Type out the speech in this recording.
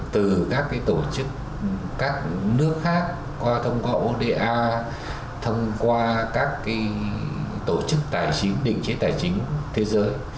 từ các tổ chức các nước khác qua thông qua oda thông qua các tổ chức tài chính định chế tài chính thế giới